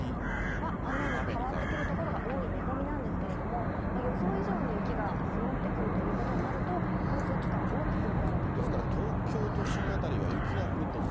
雨に変わってくる所が多い見込みなんですけれども、予想以上に雪が積もってくるということになると、交通機関、大きく乱れてくるおそれがあります。